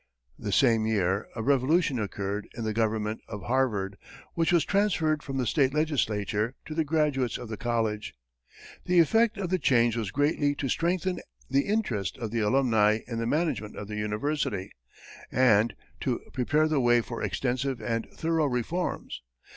The same year, a revolution occurred in the government of Harvard, which was transferred from the state legislature to the graduates of the college. The effect of the change was greatly to strengthen the interest of the alumni in the management of the university, and to prepare the way for extensive and thorough reforms.